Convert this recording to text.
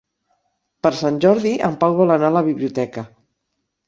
Per Sant Jordi en Pau vol anar a la biblioteca.